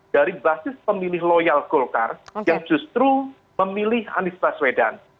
dari basis pemilih loyal golkar yang justru memilih anies baswedan